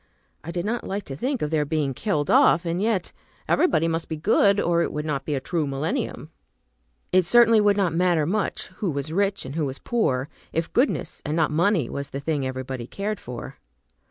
I did not like to think of their being killed off, and yet everybody must be good, or it would not be a true millennium. It certainly would not matter much who was rich, and who was poor, if goodness, and not money, was the thing everybody cared for.